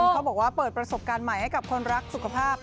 เขาบอกว่าเปิดประสบการณ์ใหม่ให้กับคนรักสุขภาพ